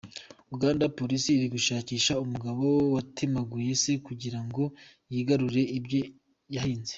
Uganda: Polisi iri gushakisha umugabo watemaguye Se kugira ngo yigarurire ibyo yahinze.